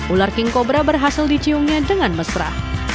ular king cobra berhasil diciumnya dengan mesra